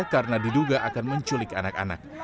karena diduga akan menculik anak anak